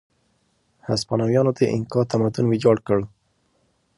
هسپانویانو د اینکا تمدن ویجاړ کړ.